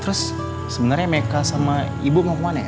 terus sebenarnya meka sama ibu mau kemana ya